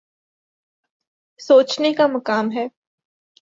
سوچنے کا مقام ہے۔